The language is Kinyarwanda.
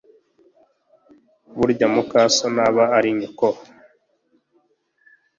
Burya mukaso ntaba ari nyoko.